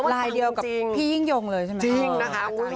ลายเดียวกับพี่ยิ่งยงเลยใช่ไหม